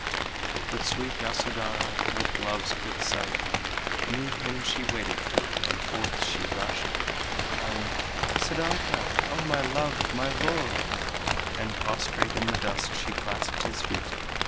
But sweet Yasodhara, with love's quick sight, Knew him she waited for, and forth she rushed, Crying: "Siddartha, O my love! my lord!" And prostrate in the dust she clasped his feet.